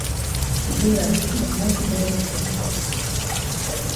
E dey like you no get me kong